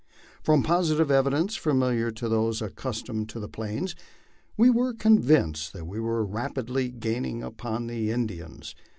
From positive evidences, familiar to those accustomed to the Plains, we were convinced that we were rapidly gaining upon the In dians.